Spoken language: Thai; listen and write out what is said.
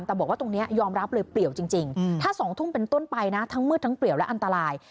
แต่บอกว่าตรงนี้ยอมรับเลยเปลี่ยวจริงถ้า๒ทุ่มเป็นต้นไปนะทั้งมืดทั้งเปลี่ยวและอันตราย